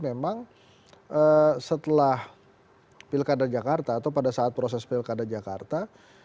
memang setelah pilkada jakarta atau pada saat proses pilkada jakarta